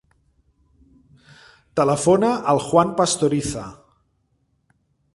Telefona al Juan Pastoriza.